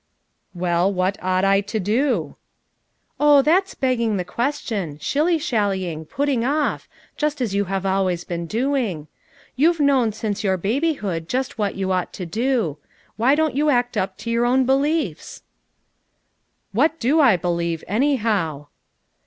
'' "Well, what ought I to do?" "Oh, that's begging the question, shilly 356 FOUR, MOTJ110KS AT CHAUTAUQUA shallying, pulling off, junt as you have always boon doing. You've known since your baby hood just what you ought to do. Why don't you act up to your own beliefs?" "What do I believe, anyhow?"